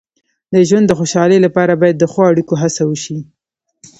د ژوند د خوشحالۍ لپاره باید د ښو اړیکو هڅه وشي.